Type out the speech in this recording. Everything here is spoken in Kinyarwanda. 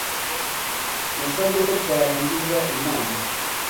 Nasabye ko twarangiza inama.